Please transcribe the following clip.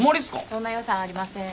そんな予算ありません。